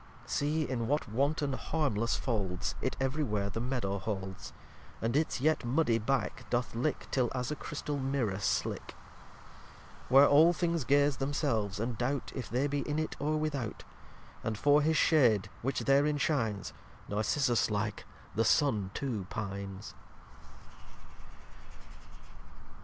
lxxx See in what wanton harmless folds It ev'ry where the Meadow holds; And its yet muddy back doth lick, Till as a Chrystal Mirrour slick; Where all things gaze themselves, and doubt If they be in it or without. And for his shade which therein shines, Narcissus like, the Sun too pines.